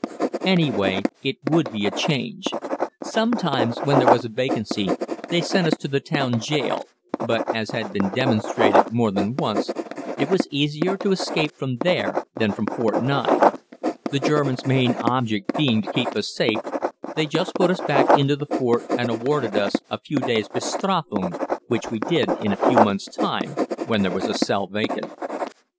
Any way, it would be a change. Sometimes, when there was a vacancy, they sent us to the town jail, but, as had been demonstrated more than once, it was easier to escape from there than from Fort 9. The Germans' main object being to keep us safe, they just put us back into the fort and awarded us a few days' Bestrafung, which we did in a few months' time when there was a cell vacant.